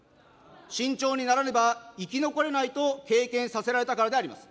慎重にならねば生き残れないと経験させられたからであります。